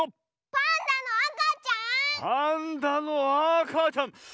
パンダのあかちゃん。